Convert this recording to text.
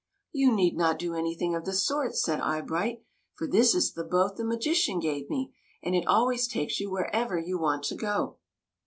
"You need not do anything of the sort," said Eyebright ;" for this is the boat the ma gician gave me, and it always takes you wher ever you want to go."